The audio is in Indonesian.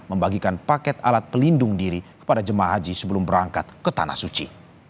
membagikan paket alat pelindung diri kepada jemaah haji sebelum berangkat ke tanah suci